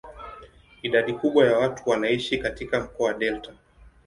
Idadi kubwa ya watu wanaishi katika mkoa wa delta.